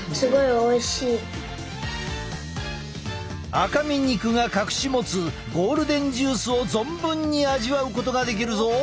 赤身肉が隠し持つゴールデンジュースを存分に味わうことができるぞ！